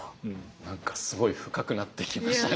何かすごい深くなってきましたね。